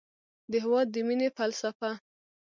د هېواد د مینې فلسفه